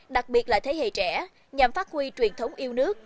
đặc biệt là thế hệ trẻ nhằm phát huy truyền thống yêu nước